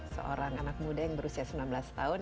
seorang anak muda yang berusia sembilan belas tahun